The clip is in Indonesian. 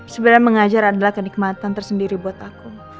sebenarnya mengajar adalah kenikmatan tersendiri buat aku